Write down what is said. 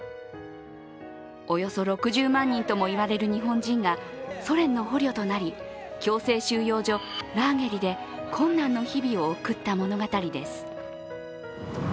およそ６０万人ともいわれる日本人がソ連の捕虜となり強制収容所ラーゲリで困難の日々を送った物語です。